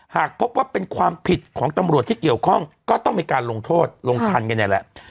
หากพบว่าเป็นความผิดของตำรวจที่เกี่ยวข้องก็ต้องมีการลงโทษลงทันกันเนี่ยแหละ